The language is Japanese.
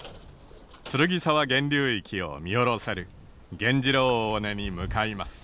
剱沢源流域を見下ろせる源次郎尾根に向かいます。